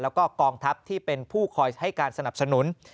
แล้วก็กองทัพที่เป็นผู้คอยให้การสนับสนุน